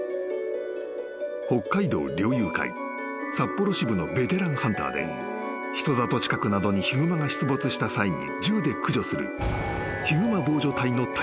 ［北海道猟友会札幌支部のベテランハンターで人里近くなどにヒグマが出没した際に銃で駆除する］